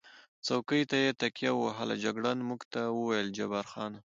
څوکۍ ته یې تکیه ووهل، جګړن موږ ته وویل: جبار خان.